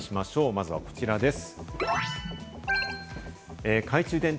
まずはこちらです。